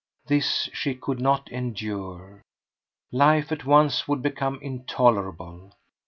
This she could not endure. Life at once would become intolerable.